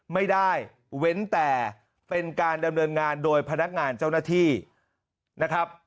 ไม่ได้เว้นแต่เป็นการดำเนินงานโดยพนักงานเจ้าหน้าที่นะครับ